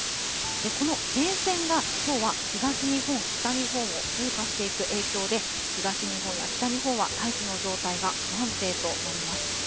この前線がきょうは東日本、北日本を通過していく影響で、東日本や北日本は大気の状態が不安定となります。